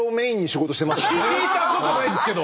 聞いたことないっすけど！